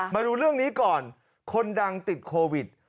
มาดูเรื่องนี้ก่อนคนดังติดโควิด